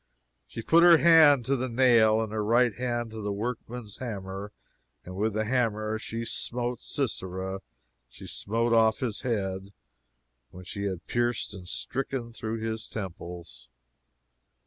"She put her hand to the nail, and her right hand to the workman's hammer; and with the hammer she smote Sisera, she smote off his head when she had pierced and stricken through his temples.